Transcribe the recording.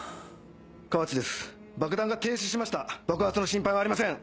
河内です爆弾が停止しました爆発の心配はありません。